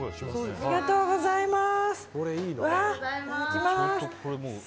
ありがとうございます。